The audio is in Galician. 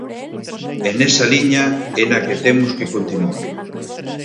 E nesa liña é na que temos que continuar.